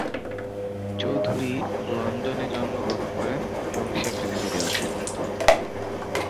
চৌধুরী লন্ডনে জন্মগ্রহণ করেন এবং সেখানে বেড়ে উঠেন।